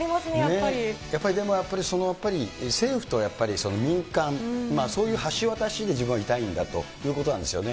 やっぱりでも、政府と民間、そういう橋渡しに自分はいたいんだということなんですよね。